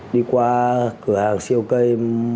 đi qua cửa hàng siêu cây